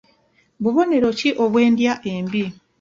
Bubonero ki obw'endya embi?